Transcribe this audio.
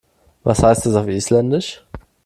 Was heißt das auf Isländisch?